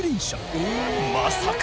まさか。